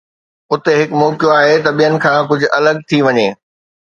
اتي هڪ موقعو آهي ته ٻين کان ڪجهه الڳ ٿي وڃي